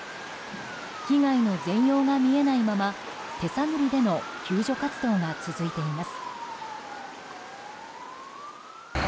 被害の全容が見えないまま手探りでの救助活動が続いています。